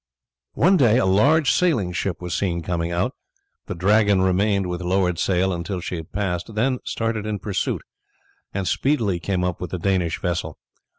One day a large sailing ship was seen coming out. The Dragon remained with lowered sail until she had passed; then started in pursuit, and speedily came up with the Danish vessel.